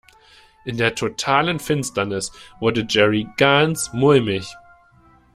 In der totalen Finsternis wurde Jerry ganz mulmig.